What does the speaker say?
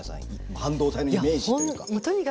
半導体のイメージというか。